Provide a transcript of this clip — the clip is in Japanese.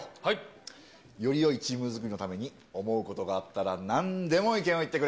よりよいチーム作りのために、思うことがあったらなんでも意見を言ってくれ。